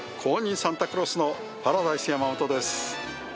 サンタクロースのパラダイス山元です。